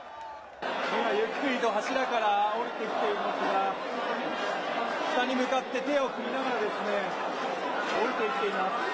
今、ゆっくりと柱から下りてきていますが、下に向かって手を振りながらですね降りてきています。